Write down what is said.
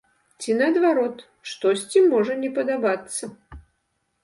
Ці наадварот, штосьці можа не падабацца.